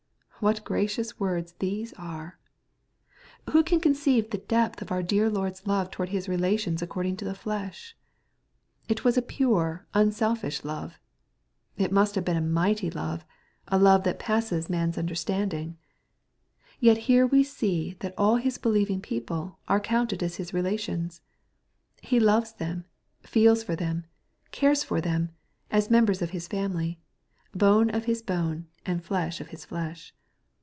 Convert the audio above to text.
*' What gracious words these are 1 Who can conceive the depth of our dear Lord's love towards His relations according to the flesh ? It was a pure, unselfish love. It must have been a mighty love, a love that passes man's understanding. Yet here we see that all His believing people are counted as His relations. He loves them, feels for them, cares for them, as members of His family, bone of His bone, and flesh of His flesh.